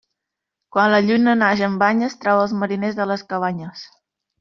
Quan la lluna naix amb banyes trau els mariners de les cabanyes.